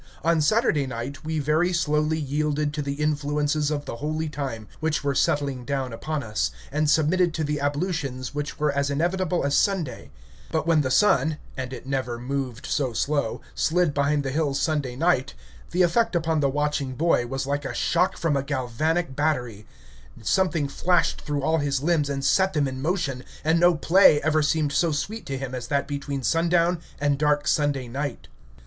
On Saturday night we very slowly yielded to the influences of the holy time, which were settling down upon us, and submitted to the ablutions which were as inevitable as Sunday; but when the sun (and it never moved so slow) slid behind the hills Sunday night, the effect upon the watching boy was like a shock from a galvanic battery; something flashed through all his limbs and set them in motion, and no "play" ever seemed so sweet to him as that between sundown and dark Sunday night.